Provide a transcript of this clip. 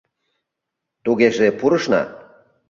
— Тугеже пурышна.